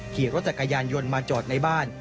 ขี่รถจักรยานยนต์มาจอดในบ้าน